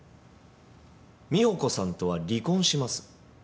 美保子さんとは離婚します。